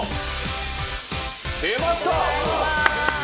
出ました！